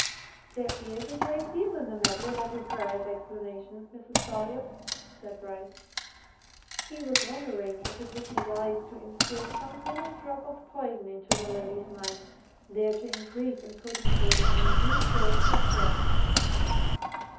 "There is a great deal in the matter that requires explanation, Mrs. Folliot," said Bryce. He was wondering if it would be wise to instil some minute drop of poison into the lady's mind, there to increase in potency and in due course to spread.